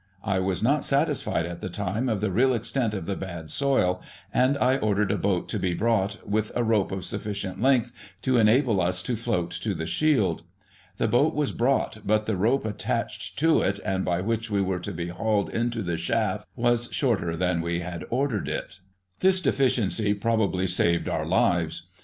I was not satisfied, at the time, of the real extent of the bad soil, and I ordered a boat to be brought, with a rope of sufficient length to enable us to float to the shield. The boat was brought, but the rope attached Digiti ized by Google i837] THAMES TUNNEL. 13 to it, and by which we were to be hauled into the shaft, was shorter than we had ordered it This deficiency probably saved our hves.